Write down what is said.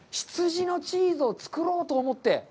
羊のチーズを作ろうと思って？